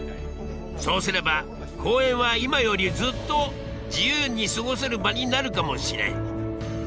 そうすれば公園は今よりずっと自由に過ごせる場になるかもしれん。